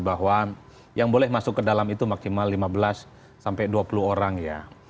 bahwa yang boleh masuk ke dalam itu maksimal lima belas sampai dua puluh orang ya